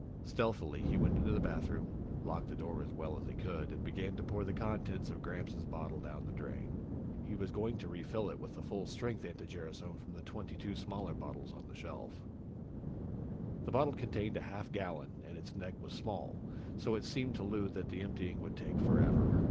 Stealthily, he went into the bathroom, locked the door as well as he could and began to pour the contents of Gramps' bottle down the drain. He was going to refill it with full strength anti gerasone from the 22 smaller bottles on the shelf. The bottle contained a half gallon, and its neck was small, so it seemed to Lou that the emptying would take forever.